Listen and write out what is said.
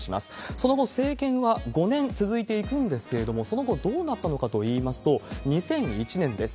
その後、政権は５年続いていくんですけれども、その後、どうなったのかといいますと、２００１年です。